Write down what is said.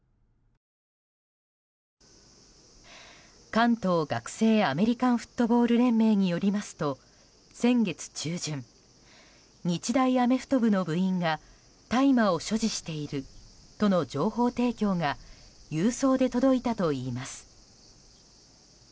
関東学生アメリカンフットボール連盟によりますと先月中旬日大アメフト部の部員が大麻を所持しているとの情報提供が郵送で届いたといいます。